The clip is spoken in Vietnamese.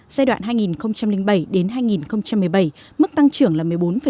giai đoạn hai nghìn bảy hai nghìn một mươi bảy mức tăng trưởng là một mươi bốn bảy